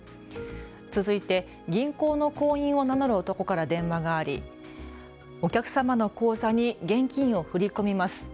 続いて銀行の行員を名乗る男から電話があり、お客様の口座に現金を振り込みます。